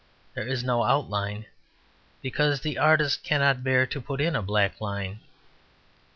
There is no outline, because the artist cannot bear to put in a black line.